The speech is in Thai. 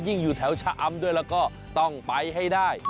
อยู่แถวชะอำด้วยแล้วก็ต้องไปให้ได้